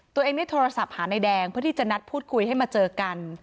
ตัวเองได้โทรศัพท์หานายแดงเพื่อที่จะนัดพูดคุยให้มาเจอกัน